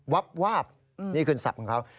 วาบนี่คือศัพท์ของเขา